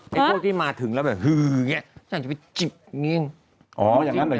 ท่านพวกที่มาถึงแล้วเหลืออย่างนี้อยากจะไปจิบอย่างนี้